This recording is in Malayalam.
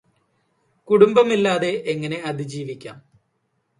കുടുംബമില്ലാതെ എങ്ങനെ അതിജീവിക്കാം